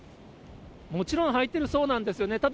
もちろんはいてるそうなんですよね。